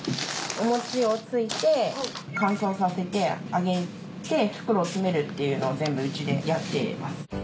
お餅をついて乾燥させて揚げて袋を詰めるっていうのを全部うちでやってます。